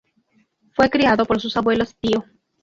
Fue criado por sus abuelos y tío.